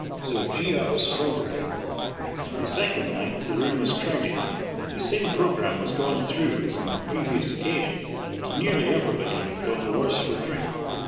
So, 'gee up Strawberry!'" The second night the room was crowded. The same programme was gone through as on the previous occasion, and nearly everybody got the worse for drink.